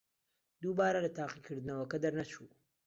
دووبارە لە تاقیکردنەوەکە دەرنەچوو.